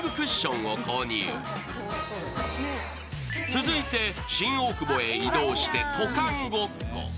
続いて、新大久保へ移動して渡韓ごっこ。